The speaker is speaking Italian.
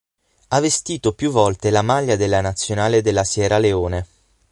Ha vestito più volte la maglia della Nazionale della Sierra Leone.